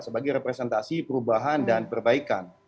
sebagai representasi perubahan dan perbaikan